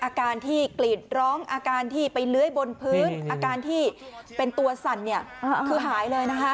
อาการที่กรีดร้องอาการที่ไปเลื้อยบนพื้นอาการที่เป็นตัวสั่นคือหายเลยนะคะ